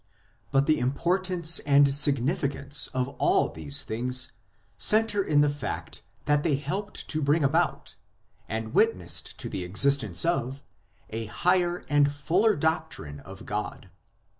But the importance and significance of all these things centre in the fact that they helped to bring about, and witnessed to the existence of, a higher and fuller doctrine of God.